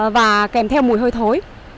và kèm theo mùi hơi thối